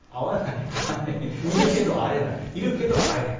いるけど会えない？